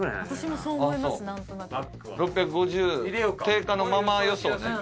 ６５０定価のまま予想ね。